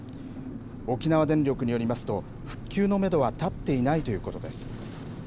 沖縄電力によりますと、復旧のメドは立っていないということです。